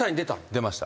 出ました。